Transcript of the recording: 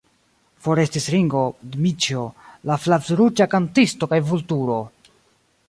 Forestis Ringo, Dmiĉjo, la flavruĝa kantisto kaj Vulturo!